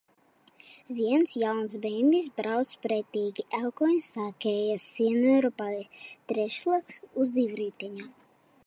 Viens jauns bembis brauc pretī, elkoņos saāķējies senioru pāris, trešklasnieks uz divriteņa.